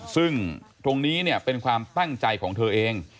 ซึ่งตรงนี้เนี่ยเป็นความตั้งใจของเธอเอง